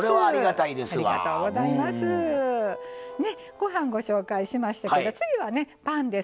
ご飯ご紹介しましたけど次はねパンです。